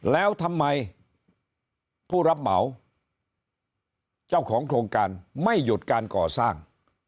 แล้วทำไมผู้รับเหมาเจ้าของโครงการไม่หยุดการก่อสร้าง